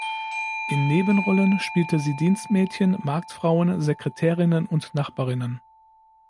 In Nebenrollen spielte sie Dienstmädchen, Marktfrauen, Sekretärinnen und Nachbarinnen.